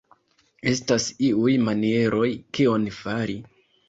Estas iuj manieroj kion fari.